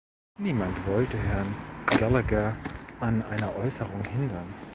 Niemand wollte Herrn Gallagher an einer Äußerung hindern.